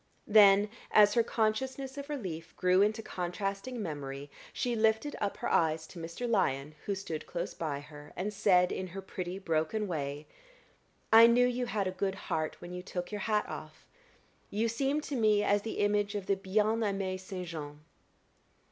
Then, as her consciousness of relief grew into contrasting memory, she lifted up her eyes to Mr. Lyon, who stood close by her, and said, in her pretty broken way: "I knew you had a good heart when you took your hat off. You seemed to me as the image of the bien amié Saint Jean."